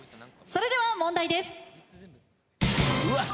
それでは問題です。